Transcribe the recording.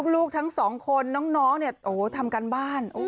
ลูกทั้งสองคนน้องเนี่ยทำการบ้าน